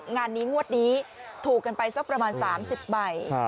งานนี้งวดนี้ถูกกันไปสักประมาณ๓๐ใบ